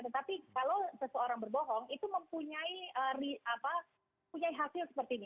tetapi kalau seseorang berbohong itu mempunyai hasil seperti ini